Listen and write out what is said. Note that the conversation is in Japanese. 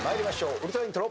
ウルトライントロ。